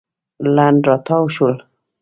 لنډ راتاو شول.